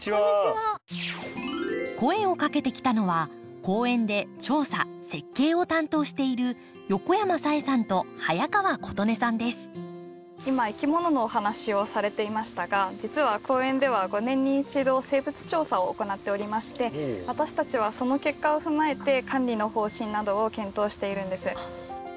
声をかけてきたのは公園で調査設計を担当している今いきもののお話をされていましたが実は公園では５年に一度私たちはその結果を踏まえて管理の方針などを検討しているんです。